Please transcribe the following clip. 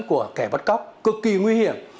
của kẻ bắt cóc cực kỳ nguy hiểm